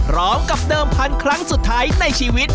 ร้องกับเดิมพันธุ์ครั้งสุดท้ายในชีวิต